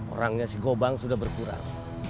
orangnya si gobang sudah berkurang